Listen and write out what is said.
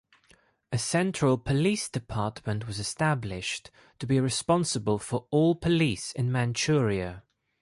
A central police department was established to be responsible for all police in Manchuria.